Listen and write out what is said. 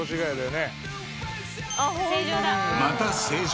［また「成城」］